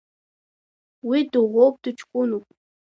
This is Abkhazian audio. Уи дыӷәӷәоуп, дыҷкәынуп.